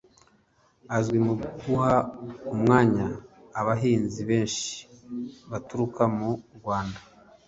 Azwi mu guha umwanya abahanzi benshi baturuka mu Rwanda